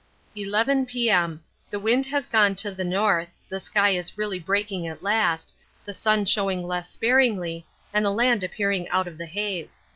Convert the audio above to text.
11 P.M. The wind has gone to the north, the sky is really breaking at last, the sun showing less sparingly, and the land appearing out of the haze.